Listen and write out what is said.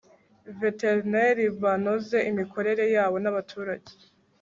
veterineri banoze imikorere yabo n abaturage